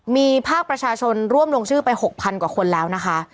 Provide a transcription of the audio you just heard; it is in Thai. มีภาคประชาชนร่วมลงชื่อไป๖๐๐กว่าคนแล้วนะคะ